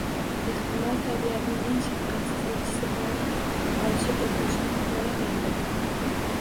Ehtimol, tabiatning eng shafqatsiz elchisi bilan ham olishib o‘tirishni xohlamagandir.